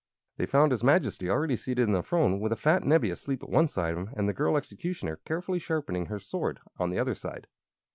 They found his Majesty already seated in the throne, with the fat Nebbie asleep at one side of him and the girl executioner carefully sharpening her sword on the other side.